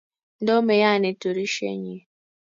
Ndo meyanii turishe nyii